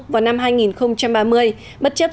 vào năm hai nghìn ba mươi bất chấp